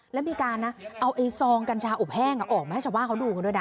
แล้วมีการเอาซองกัญชาอบแห้งออกมาให้ชาวบ้านเขาดูกันด้วยนะ